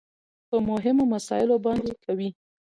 په مهمو مسايلو باندې کوي .